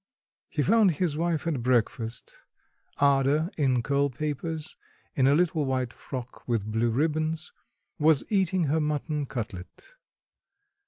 He found his wife at breakfast; Ada, in curl papers, in a little white frock with blue ribbons, was eating her mutton cutlet.